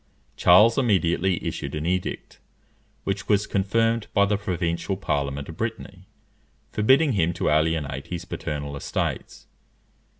Charles immediately issued an edict, which was confirmed by the provincial Parliament of Brittany, forbidding him to alienate his paternal estates.